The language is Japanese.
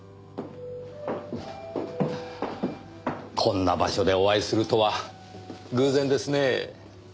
こんな場所でお会いするとは偶然ですねぇ。